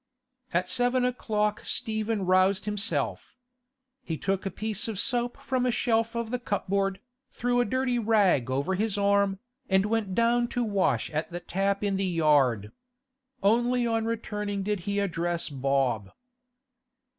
At seven o'clock Stephen roused himself. He took a piece of soap from a shelf of the cupboard, threw a dirty rag over his arm, and went down to wash at the tap in the yard. Only on returning did he address Bob.